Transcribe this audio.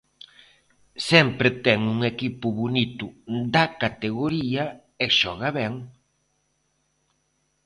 Sempre ten un equipo bonito da categoría e xoga ben.